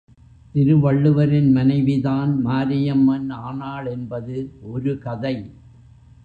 திருவள்ளுவரின் மனைவிதான் மாரியம்மன் ஆனாள் என்பது ஒரு கதை.